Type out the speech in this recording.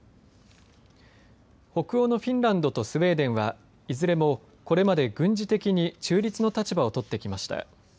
北欧のフィンランドとスウェーデンはいずれも、これまで軍事的に中立の立場をとってきました。